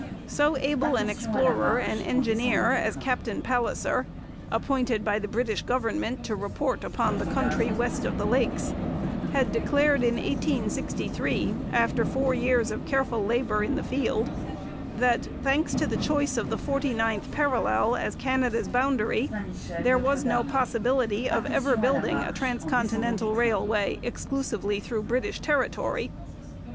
So able an explorer and engineer as Captain Palliser, appointed by the British government to report upon the country west of the Lakes, had declared in 1863, after four years of careful labour in the field, that, thanks to the choice of the 49th parallel as Canada's boundary, there was no possibility of ever building a transcontinental railway exclusively through British territory.